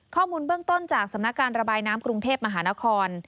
ข้อมูลเบื้องต้นจากสำนักการระบายน้ำกรุงเทพมหานคร